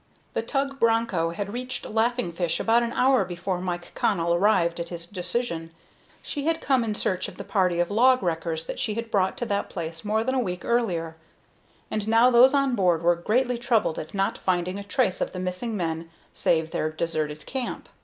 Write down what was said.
The tug Broncho had reached Laughing Fish about an hour before Mike Connell arrived at this decision. She had come in search of the party of log wreckers that she had brought to that place more than a week earlier, and now those on board were greatly troubled at not finding a trace of the missing men save their deserted camp.